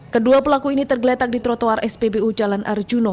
kedua pelaku ini tergeletak di trotoar spbu jalan arjuna